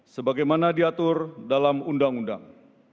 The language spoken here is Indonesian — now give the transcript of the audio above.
sebagaimana diatur dalam undang undang